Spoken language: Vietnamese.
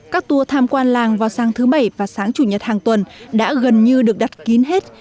các tour tham quan làng vào sáng thứ bảy và sáng chủ nhật hàng tuần đã gần như được đặt kín hết